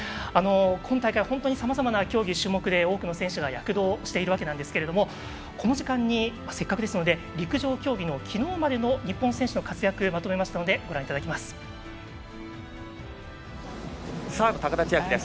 今大会、本当にさまざまな競技、種目で多くの選手が躍動しているわけですがこの時間にせっかくですので陸上競技のきのうまでの日本選手の活躍をまとめたのでご覧いただきます。